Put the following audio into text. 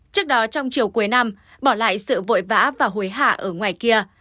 trước đó trong chiều cuối năm bỏ lại sự vội vã và hối hạ ở ngoài kia